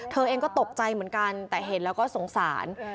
เธอเองก็ตกใจเหมือนกันแต่เห็นแล้วก็สงสาร